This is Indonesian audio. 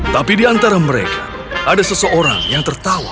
tapi di antara mereka ada seseorang yang tertawa